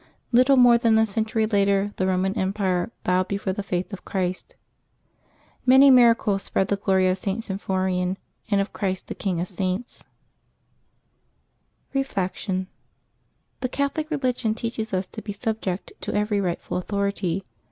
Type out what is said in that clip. Little more than a century later the Eoman Empire bowed before the faith of Christ. Many miracles spread the glory of St. Sjinpho rian, and of Christ the King of Saints. August 23] LIVES OF THE SAINTS 291 Reflection. — The Catholic religion teaches us to be sub ject to every rightful authority.